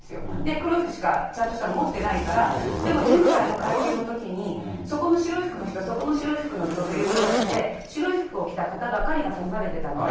黒い服しかちゃんとしたの持ってないから、でも前回の会見のときに、そこの白い服の人、そこの白い服の人っていう形で、白い服を着た方ばかりが指されてたので。